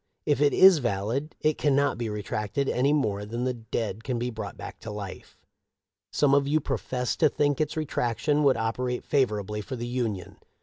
If it is valid, it cannot be retracted any more than the dead can be brought to life. Some of you profess to think its retraction would operate favorably for the Union.